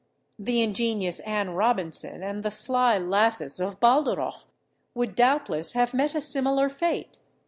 The ingenious Anne Robinson and the sly lasses of Baldarroch would doubtless have met a similar fate.